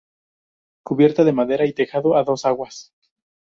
Cubierta de madera y tejado a dos aguas.